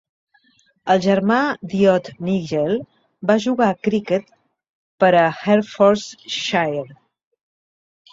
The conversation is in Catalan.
El germà d'Ilott, Nigel, va jugar a criquet per a Hertfordshire.